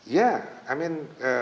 ya i mean